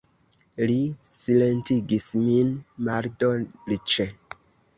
Li silentigis min maldolĉe.